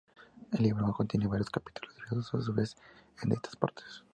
El libro contiene varios capítulos, divididos a su vez en distintas partes.